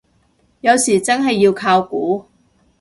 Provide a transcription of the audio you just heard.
有時真係要靠估